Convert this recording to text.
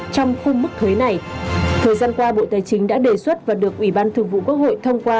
trong khung mức thuế này thời gian qua bộ tài chính đã đề xuất và được ủy ban thường vụ quốc hội thông qua